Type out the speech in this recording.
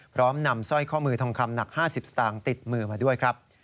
พร้อมนำสร้อยข้อมือทองคำหนัก๕๐สตางค์ติดมือมาด้วยครับ